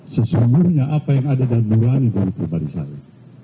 sesungguhnya apa yang ada dalam dunia ini dari pribadi saya